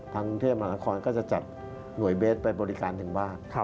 กรุงเทพมหานครก็จะจัดหน่วยเบสไปบริการถึงบ้าน